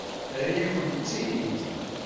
Terra-yakent-t-id?